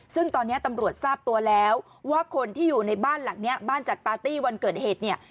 ซึ่งตอนนี้ตำรวจทราบตัวแล้วว่าคนที่อยู่ในบ้านหลังนี้บ้านจัดปาร์ตี้วันเกิดเหตุเนี่ย